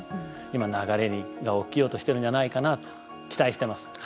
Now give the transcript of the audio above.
今、流れが起きようとしてるんじゃないかなと期待してます。